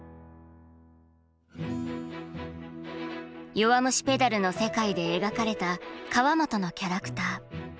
「弱虫ペダル」の世界で描かれた川本のキャラクター。